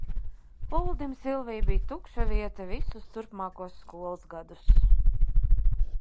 Uldim Silvija bija tukša vieta visus turpmākos skolas gadus.